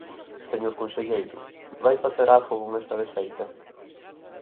Señor conselleiro, ¿vai facer algo con esta desfeita?